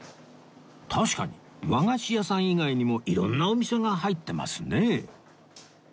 確かに和菓子屋さん以外にも色んなお店が入ってますねえ